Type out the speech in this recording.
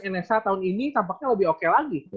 nsh tahun ini tampaknya lebih oke lagi